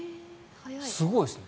すごいですね。